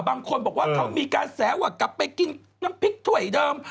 บางคนบอกว่าเขามีการแสว่ากลับไปกินน้ำพริกถ้วยเดิม